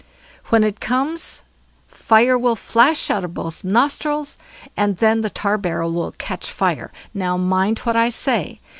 When it comes fire will flash out of both nostrils, and then the tar barrel will catch fire. Now, mind what I say.